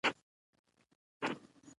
پر زینو وروخیژه !